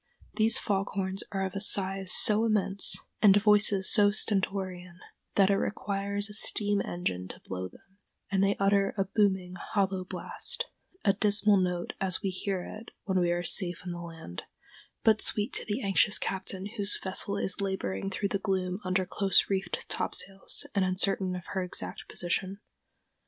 These fog horns are of a size so immense, and voices so stentorian, that it requires a steam engine to blow them, and they utter a booming, hollow blast, a dismal note as we hear it when we are safe on the land, but sweet to the anxious captain whose vessel is laboring through the gloom under close reefed topsails, and uncertain of her exact position.